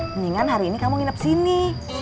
mendingan hari ini kamu nginep sini